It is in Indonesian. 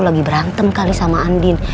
lagi berantem kali sama andin